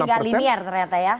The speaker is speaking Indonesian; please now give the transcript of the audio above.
jadi tidak linier ternyata ya